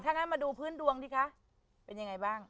ถ้างั้นมาดูพื้นดวงดิคะเป็นยังไงบ้าง